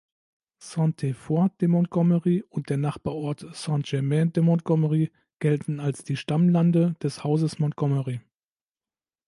Sainte-Foy-de-Montgommery und der Nachbarort Saint-Germain-de-Montgommery gelten als die Stammlande des Hauses Montgommery.